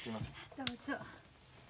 どうぞ。